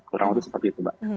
kurang lebih seperti itu mbak